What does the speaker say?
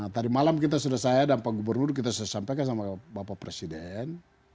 tadi malam kita sudah saya dan pak gubernur kita sudah sampaikan sama bapak presiden